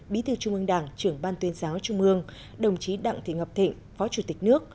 bí thư trung ương đảng trưởng ban tuyên giáo trung ương đồng chí đặng thị ngọc thịnh phó chủ tịch nước